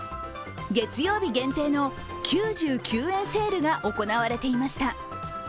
月曜日限定の９９円セールが行われていました。